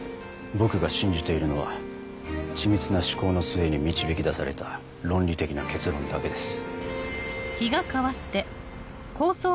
僕が信じているのは緻密な思考の末に導き出された論理的な結論だけです。